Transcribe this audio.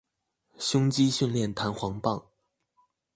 胸肌練習彈簧棒